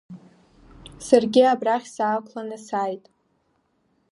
Саргьы абрахь саақәланы сааит.